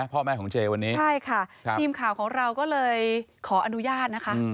พ่อแม่ของเจวันนี้ใช่ค่ะทีมข่าวของเราก็เลยขออนุญาตนะคะ